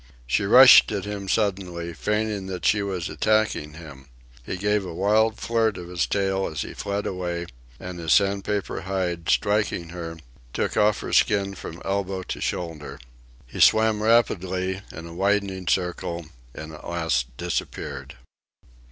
She rushed at him suddenly, feigning that she was attacking him. He gave a wild flirt of his tail as he fled away, and his sandpaper hide, striking her, took off her skin from elbow to shoulder. He swam rapidly, in a widening circle, and at last disappeared.